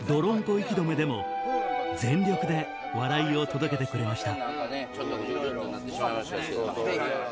息止めでも全力で笑いを届けてくれました